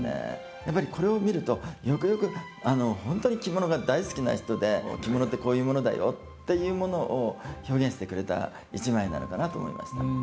やっぱりこれを見るとよくよく本当に着物が大好きな人で着物ってこういうものだよっていうものを表現してくれた一枚なのかなと思いました。